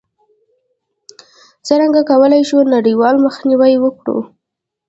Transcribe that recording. څرنګه کولای شو نړیوال مخنیوی وکړو؟